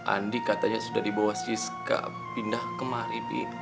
andi katanya sudah dibawa siska pindah kemari bi